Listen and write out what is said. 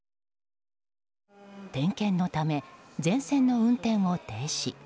点検のため、全線の運転を停止。